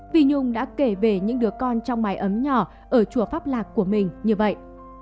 vi nhung đã kể về những đứa con trong mái ấm nhỏ ở chùa pháp lạc của mình như vậy